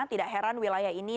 tidak heran wilayah ini